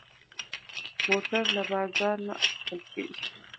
موټر له بازار نه اخېستل کېږي.